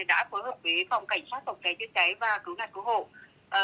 đã phối hợp với phòng cảnh sát phòng cháy chữa cháy và cứu nạn cứu hộ